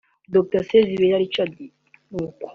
Dr Sezibera Richard